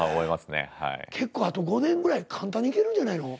結構あと５年ぐらい簡単にいけるんじゃないの？